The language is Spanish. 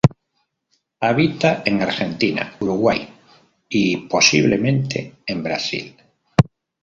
Habita en Argentina, Uruguay y posiblemente en Brasil.